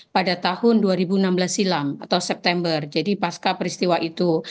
pada tahun dua ribu enam belas silam atau september jadi pasca peristiwa itu